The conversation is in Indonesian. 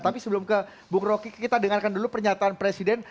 tapi sebelum ke bung rocky kita dengarkan dulu pernyataan presiden